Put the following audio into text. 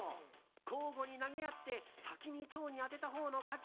交互に投げ合って先に蝶に当てたほうの勝ち。